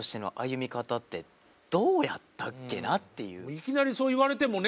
いきなりそう言われてもねえみたいな。